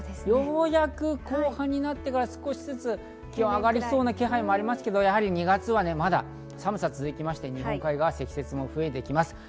ようやく後半になってから少しずつ気温が上がりそうな気配もありますが、やはり２月はまだ寒さが続いて日本海側は積雪も増えていきます。